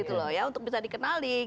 untuk bisa dikenali